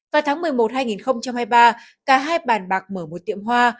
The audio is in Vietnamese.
vào tháng một mươi một hai nghìn hai mươi ba cả hai bàn bạc mở một tiệm hoa